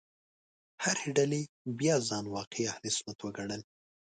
هرې ډلې بیا ځان واقعي اهل سنت وګڼل.